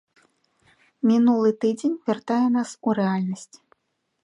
Мінулы тыдзень вяртае нас у рэальнасць.